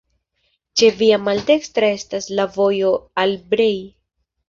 Ĉe via maldekstra estas la vojo al Brej.